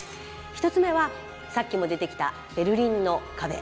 １つ目はさっきも出てきたベルリンの壁。